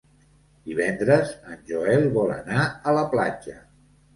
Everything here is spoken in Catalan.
Divendres en Joel vol anar a la platja.